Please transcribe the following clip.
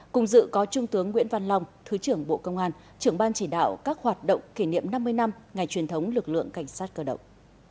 cùng dự có trung tướng nguyễn văn long thứ trưởng bộ công an trưởng ban chỉ đạo các hoạt động kỷ niệm năm mươi năm ngày truyền thống lực lượng cảnh sát cơ động